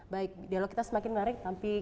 baik dialog kita semakin menarik